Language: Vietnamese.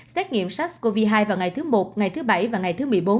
xét nghiệm sars cov hai vào ngày thứ một ngày thứ bảy và ngày thứ một mươi bốn